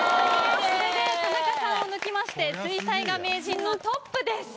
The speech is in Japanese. それで田中さんを抜きまして水彩画名人のトップです。